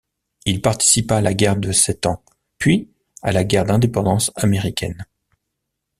Il participa à la guerre de Sept Ans puis à la guerre d'Indépendance américaine.